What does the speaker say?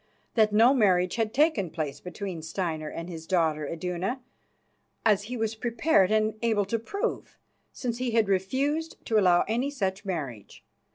That no marriage had taken place between Steinar and his daughter, Iduna, as he was prepared and able to prove, since he had refused to allow any such marriage.